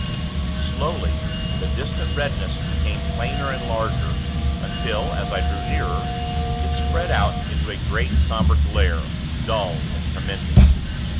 Slowly, the distant redness became plainer and larger; until, as I drew nearer, it spread out into a great, somber glare dull and tremendous.